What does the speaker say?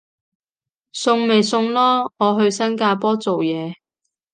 送咪送咯，我去新加坡做嘢